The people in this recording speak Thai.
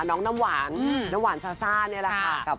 น้ำหวานน้ำหวานซาซ่านี่แหละค่ะ